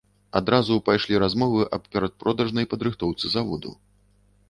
Адразу пайшлі размовы аб перадпродажнай падрыхтоўцы заводу.